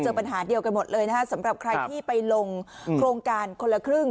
ปัญหาเดียวกันหมดเลยนะฮะสำหรับใครที่ไปลงโครงการคนละครึ่ง